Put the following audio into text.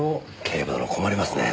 警部殿困りますね。